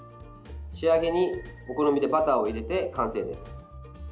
仕上げに、お好みでバターを入れて完成です。